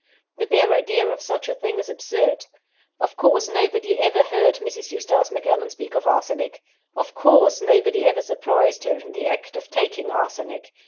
The bare idea of such a thing is absurd. Of course nobody ever heard Mrs. Eustace Macallan speak of arsenic. Of course nobody ever surprised her in the act of taking arsenic.